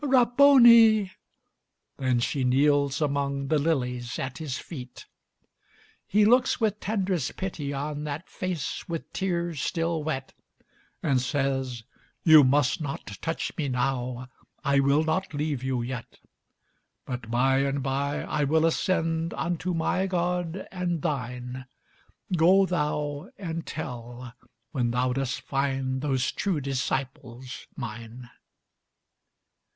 "Rabboni!" then she kneels among The lilies at His feet. He looks with tend'rest pity on That face with tears still wet, And says "You must not touch me now; I will not leave you yet. "But by and by I will ascend Unto my God and thine; Go thou and tell, when thou dost find Those true disciples mine."